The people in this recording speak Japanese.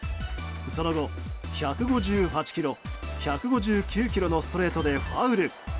その後、１５８キロ１５９キロのストレートでファウル。